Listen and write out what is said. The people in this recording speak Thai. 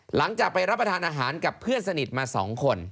หลังจากไปรับประทานอาหารกับเพื่อนสนิทมา๒คน